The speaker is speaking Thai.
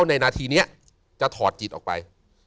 ในนาทีนี้จะถอดจิตออกไป